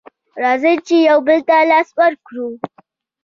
راځئ چې يو بل ته لاس ورکړو